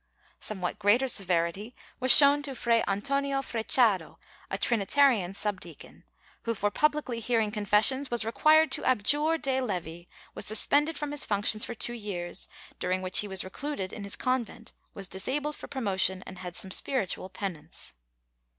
Somewhat greater severity was shown to Fray Antonio Frechado, a Trini tarian subdeacon, who for publicly hearing confessions was re quired to abjure de levi, was suspended from his functions for two years, during which he was recluded in his convent, was disabled for promotion and had some spiritual penance.